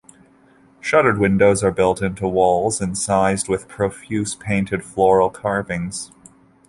Shuttered windows are built into walls incised with profuse painted floral carvings.